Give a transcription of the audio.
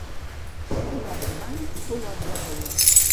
Culot davant, culot darrere.